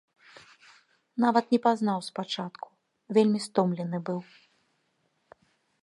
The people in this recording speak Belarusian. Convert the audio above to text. Нават не пазнаў спачатку, вельмі стомлены быў.